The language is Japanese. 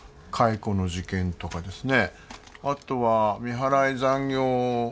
工場の事件だとかですね。